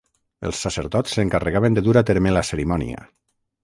Els sacerdots s'encarregaven de dur a terme la cerimònia.